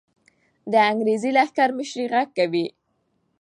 د انګریزي لښکر مشري غږ کوي.